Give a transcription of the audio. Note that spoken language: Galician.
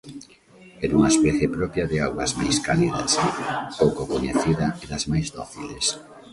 É dunha especie propia de augas máis cálidas, pouco coñecida e das máis dóciles.